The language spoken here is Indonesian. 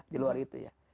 di luar itu ya